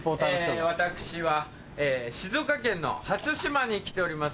私は静岡県の初島に来ております。